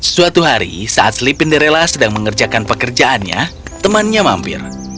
suatu hari saat slippin' the rela sedang mengerjakan pekerjaannya temannya mampir